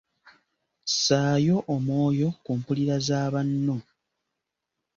Ssaayo omwoyo ku mpulira za banno.